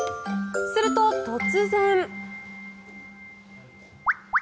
すると、突然。